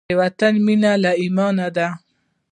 د وطن مینه له ایمانه ده.